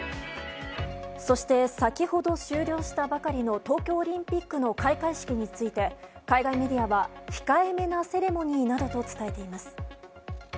そして、先ほど終了したばかりの東京オリンピックの開会式について、海外メディアは控えめなセレモニーなどと伝えています。